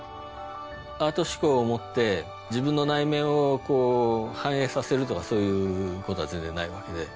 アート志向を持って自分の内面をこう反映させるとかそういうことは全然ないわけで。